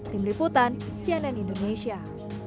tim liputan cnn indonesia